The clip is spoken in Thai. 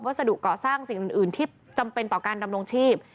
สดุเกาะสร้างสิ่งอื่นที่จำเป็นต่อการดำรงชีพ